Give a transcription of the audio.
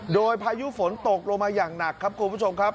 โดยพายุฝนตกลงมาอย่างหนักครับคุณผู้ชมครับ